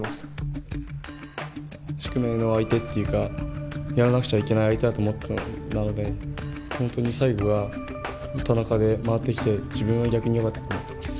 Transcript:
宿命の相手っていうかやらなくちゃいけない相手だと思っていたのでなので本当に最後は田中で回ってきて自分は逆によかったと思っています。